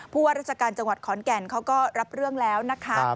ว่าราชการจังหวัดขอนแก่นเขาก็รับเรื่องแล้วนะคะ